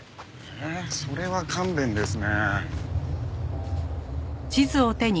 ええそれは勘弁ですね。